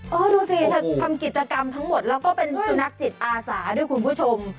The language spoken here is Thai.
ดูสิเธอทำกิจกรรมทั้งหมดแล้วก็เป็นสุนัขจิตอาสาด้วยคุณผู้ชม